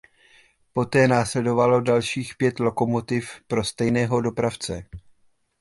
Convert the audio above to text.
Poté následovalo dalších pět lokomotiv pro stejného dopravce.